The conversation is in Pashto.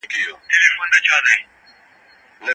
که په اوړي کي خواړه په یخچال کي وساتل سي، نو نه تریو کیږي.